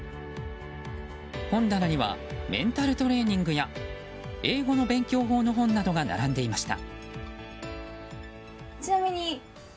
本棚にはメンタルトレーニングや英語の勉強法の本などが並んでいました。